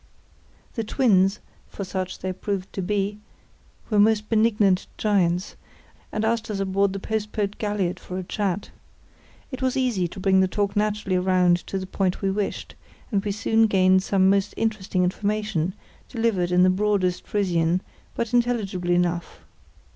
The twins (for such they proved to be) were most benignant giants, and asked us aboard the post boat galliot for a chat. It was easy to bring the talk naturally round to the point we wished, and we soon gained some most interesting information, delivered in the broadest Frisian, but intelligible enough.